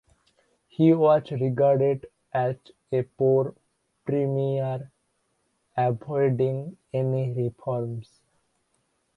He was regarded as a poor premier, avoiding any reforms.